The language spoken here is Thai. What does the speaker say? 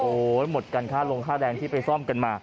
โอ้โหหมดกันค่าลงค่าแรงที่ไปซ่อมกันมา